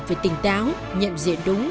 phải tỉnh táo nhận diện đúng